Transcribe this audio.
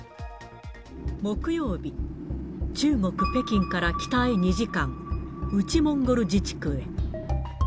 木曜日、中国・北京から北へ２時間、内モンゴル自治区へ。